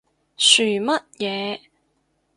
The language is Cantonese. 噓乜嘢？